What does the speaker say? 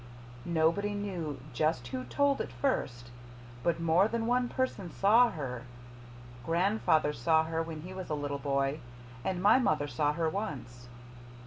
Nobody knew just who told it first. But more than one person saw her. Grandfather saw her when he was a little boy. And my mother saw her once."